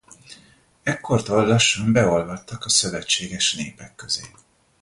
Ekkortól lassan beolvadtak a szövetséges népek közé.